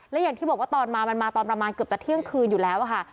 และอย่างที่บอกว่าตอนมามันมาตอนประมาณเกือบจะเที่ยงคืนอยู่แล้วค่ะ